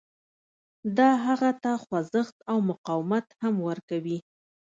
دا هغه ته خوځښت او مقاومت هم ورکوي